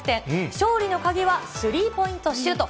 勝利の鍵はスリーポイントシュート。